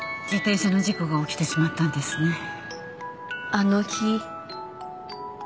あの日。